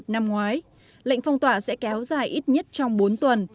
năm ngoái lệnh phong tỏa sẽ kéo dài ít nhất trong bốn tuần